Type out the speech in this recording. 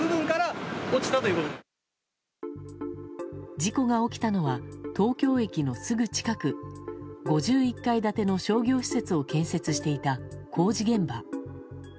事故が起きたのは東京駅のすぐ近く５１階建ての商業施設を建設していた工事現場。